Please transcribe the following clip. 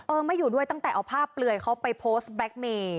ไม่อยู่ด้วยตั้งแต่เอาภาพเปลือยเขาไปโพสต์แล็คเมย์